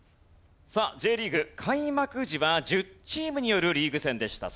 さあＪリーグ開幕時は１０チームによるリーグ戦でした。